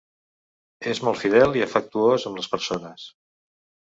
És molt fidel i afectuós amb les persones.